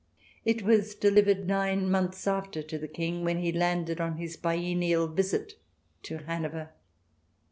It was delivered, nine months after, to the King, when he landed on his biennial visit to Hanover.